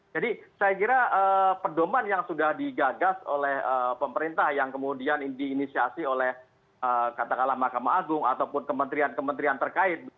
jadi saya kira pedoman yang sudah digagas oleh pemerintah yang kemudian diinisiasi oleh katakanlah mahkamah agung ataupun kementerian kementerian terkait